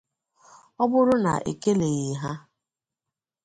ọ bụrụ na e keleghị ha